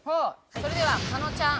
それでは加納ちゃん